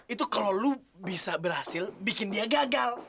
itu kalau lo bisa berhasil bikin dia gagal